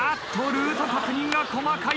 ルート確認が細かい。